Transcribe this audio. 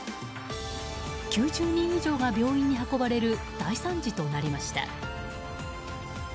９０人以上が病院に運ばれる大惨事となりました。